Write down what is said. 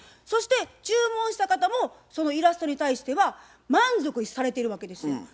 そして注文した方もそのイラストに対しては満足されてるわけですよ。